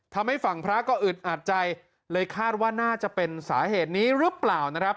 ทำให้ฝั่งพระก็อึดอัดใจเลยคาดว่าน่าจะเป็นสาเหตุนี้หรือเปล่านะครับ